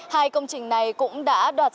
hai công trình này cũng đã đoạt